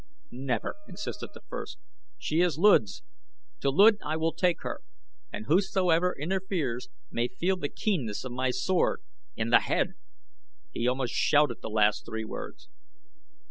"Never!" insisted the first. "She is Luud's. To Luud I will take her, and whosoever interferes may feel the keenness of my sword in the head!" He almost shouted the last three words.